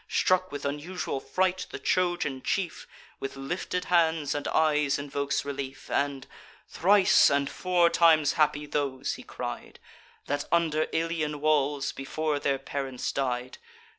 Struck with unusual fright, the Trojan chief, With lifted hands and eyes, invokes relief; And, "Thrice and four times happy those," he cried, "That under Ilian walls before their parents died!